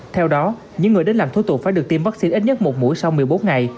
theo đó những người đến làm thủ tục phải được tiêm vaccine ít nhất một mũi sau một mươi bốn ngày